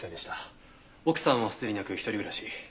奥さんはすでに亡く一人暮らし。